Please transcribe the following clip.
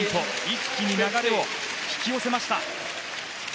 一気に流れを引き寄せました。